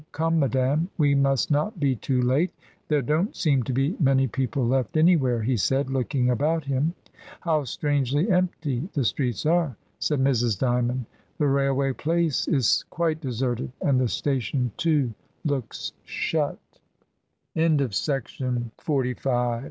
Come, madame, we must not be too late. There don't seem to be many people left anywhere," he said, looking about him. "How strangely empty the streets are," said Mrs. Dymond. "The railway place is quite deserted, and the station, too, look